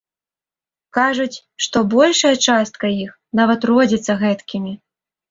Кажуць, што большая частка іх нават родзіцца гэткімі.